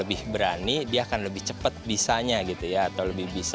lebih bisa berani dia akan lebih cepet bisa gitu ya atau lebih bisa berani dia akan lebih cepet bisa